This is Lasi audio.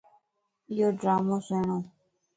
ايوڊرامو سڻھوَ